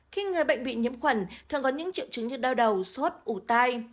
khi người bệnh bị nhiễm khuẩn thường có những triệu chứng như đau đầu sốt ủ tai